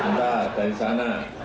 entar dari sana